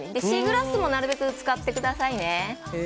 シーグラスもなるべく使ってくださいね。